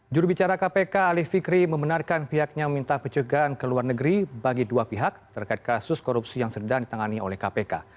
jurubicara kpk alif fikri membenarkan pihaknya meminta pencegahan ke luar negeri bagi dua pihak terkait kasus korupsi yang sedang ditangani oleh kpk